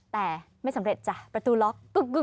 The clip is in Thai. แต่ไม่สำเร็จจ้ะประตูล็อก